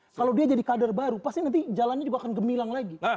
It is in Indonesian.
kalau dia jadi kader baru pasti nanti jalannya juga akan gemilang lagi